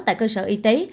tại cơ sở y tế